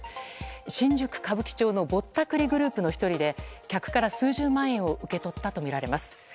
新宿・歌舞伎町のぼったくりグループの１人で客から数十万円を受け取ったとみられます。